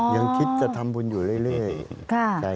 ยังคิดจะทำบุญอยู่เรื่อย